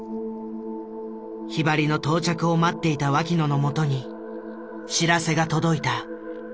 ひばりの到着を待っていた脇野のもとに知らせが届いた。